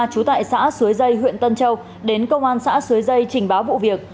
trú tại xã xuế dây huyện tân châu đến công an xã xuế dây trình báo vụ việc